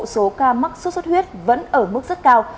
số ca mắc sốt xuất huyết vẫn ở mức rất cao